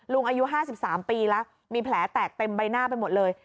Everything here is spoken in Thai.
อายุ๕๓ปีแล้วมีแผลแตกเต็มใบหน้าไปหมดเลย